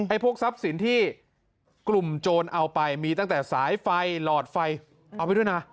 พวกทรัพย์สินที่กลุ่มโจรเอาไปมีตั้งแต่สายไฟหลอดไฟเอาไว้ด้วยนะ